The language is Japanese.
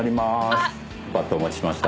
バットお持ちしました。